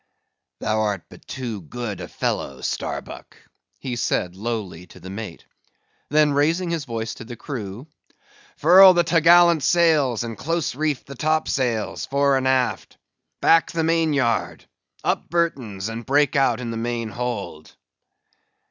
"Thou art but too good a fellow, Starbuck," he said lowly to the mate; then raising his voice to the crew: "Furl the t'gallant sails, and close reef the top sails, fore and aft; back the main yard; up Burton, and break out in the main hold."